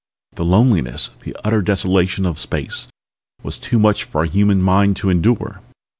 The loneliness, the utter desolation of space, was too much for a human mind to endure."